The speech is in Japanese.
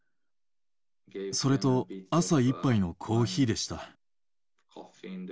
それと朝１杯のコーヒーでした。